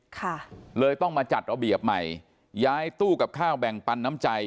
ค่ะเลยต้องมาจัดระเบียบใหม่ย้ายตู้กับข้าวแบ่งปันน้ำใจ